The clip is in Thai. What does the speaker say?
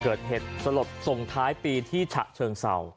เกิดเหตุสลดส่งท้ายปีที่ฉะเชิงเศร้า